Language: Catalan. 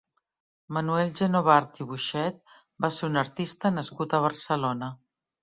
Manuel Genovart i Boixet va ser un artista nascut a Barcelona.